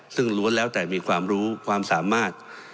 ซึ่งล้วนแล้วแต่มีความรู้ความสามารถ